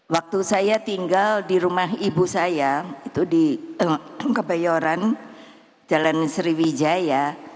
waktu saya tinggal di rumah ibu saya itu di kebayoran jalan sriwijaya